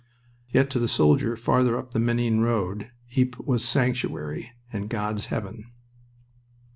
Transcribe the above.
Yet to the soldier farther up the Menin road Ypres was sanctuary and God's heaven.